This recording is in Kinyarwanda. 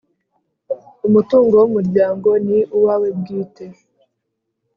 Umutungo w‟umuryango ni uwawe bwite